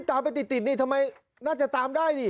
ตามไปติดนี่ทำไมน่าจะตามได้นี่